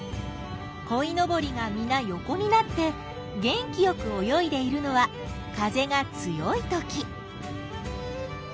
こいのぼりがみな横になって元気よく泳いでいるのは風が強いとき。